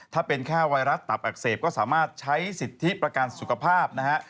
ถ้าเป็นแค่ไวรัสตับอักเสบก็สามารถใช้สิทธิประกันสุขภาพนะฮะ